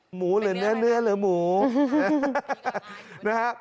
หมูหรือเนื้อหรือหมูนะฮะ